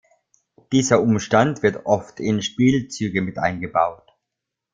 Dieser Umstand wird oft in Spielzüge mit eingebaut.